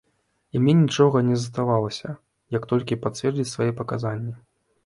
І мне нічога не заставалася, як толькі пацвердзіць свае паказанні.